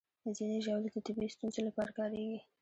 ځینې ژاولې د طبي ستونزو لپاره کارېږي.